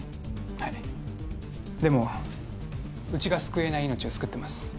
はいでもうちが救えない命を救ってます